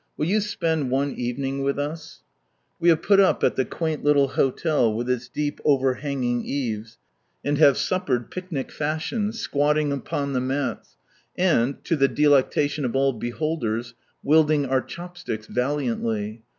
Will you spend one evening with us ? We have put up at the quaint little hotel, with its deep, overhanging eaves, and have suppered picnic fashion, squatting upon the mats, and, to the delectation of all beholders, wielding our chopsticks vahantly.